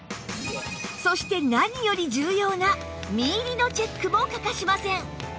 そして何より重要な身入りのチェックも欠かしません